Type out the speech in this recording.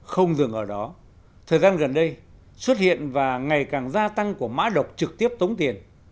không dừng ở đó thời gian gần đây xuất hiện và ngày càng gia tăng của mã độc trực tiếp tống tiền